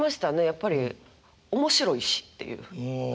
やっぱり面白いしっていう。